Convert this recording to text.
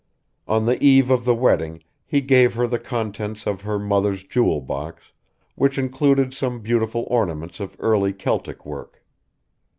On the eve of the wedding he gave her the contents of her mother's jewel box, which included some beautiful ornaments of early Celtic work.